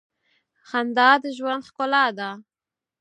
خندا د ژوند ښکلا ده.